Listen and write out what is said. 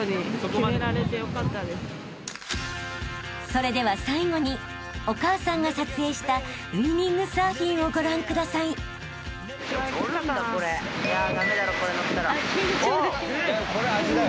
［それでは最後にお母さんが撮影したウイニングサーフィンをご覧ください］緊張で。